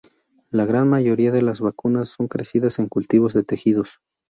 La gran mayoría de las vacunas son crecidas en cultivos de tejidos.